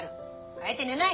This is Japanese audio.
帰って寝ない！